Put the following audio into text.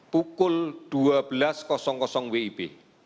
pukul dua belas wib